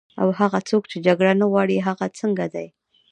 او هغه څوک چې جګړه نه غواړي، هغه څنګه دي؟